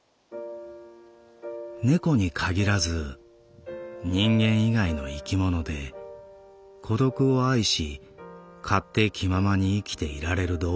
猫に限らず人間以外の生き物で孤独を愛し勝手気ままに生きていられる動物はいない。